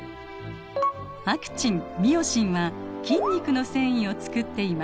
アクチンミオシンは筋肉の繊維をつくっています。